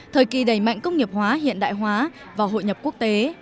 thời kỳ đầy mạnh công nghiệp hóa hiện đại hóa và hội nhập quốc tế